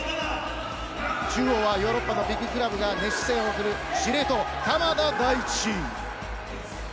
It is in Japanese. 中央はヨーロッパのビッグクラブが熱視線を送る司令塔、鎌田大地。